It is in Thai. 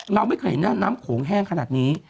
เราไม่เคยเห็นหน้าน้ำโขงแห้งขนาดนี้